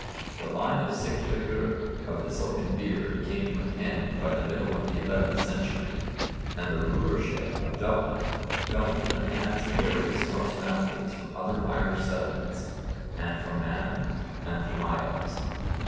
The line of Sigtryggr of the Silken Beard came to an end by the middle of the 11th century, and the rulership of Dublin fell into the hands of various Norse families from other Irish settlements and from Man and the Isles.